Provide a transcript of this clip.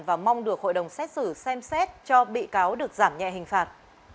và mong được hội đồng xét xử xem xét cho bị cáo được giảm nhẹ hình phạt